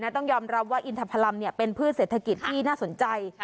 ต้องยอมรับว่าอินทพลัมเป็นพืชเศรษฐกิจที่น่าสนใจ